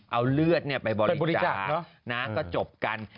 เอาเลือดไปบริจาคก็จบกัน